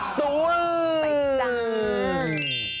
ไปจัง